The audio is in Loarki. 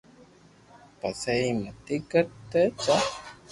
پسي ايم متي ڪر تي جا